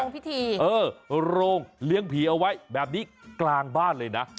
โรงพิธีเออโรงเลี้ยงผีเอาไว้แบบนี้กลางบ้านเลยนะ